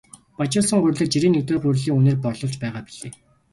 Баяжуулсан гурилыг жирийн нэгдүгээр гурилын үнээр борлуулж байгаа билээ.